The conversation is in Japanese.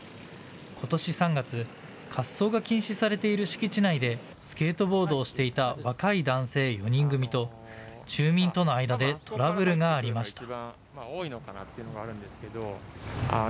ことし３月、滑走が禁止されている敷地内でスケートボードをしていた若い男性４人組と住民との間でトラブルがありました。